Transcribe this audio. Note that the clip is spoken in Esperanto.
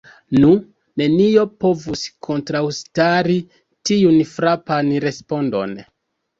Nu, nenio povus kontraŭstari tiun frapan respondon.